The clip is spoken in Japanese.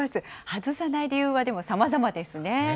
外さない理由はでもさまざまですね。